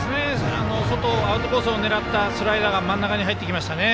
外、アウトコースを狙ったスライダーが真ん中に入ってきました。